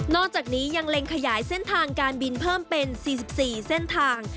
อกจากนี้ยังเล็งขยายเส้นทางการบินเพิ่มเป็น๔๔เส้นทาง